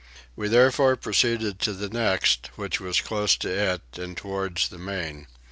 We therefore proceeded to the next, which was close to it and towards the main.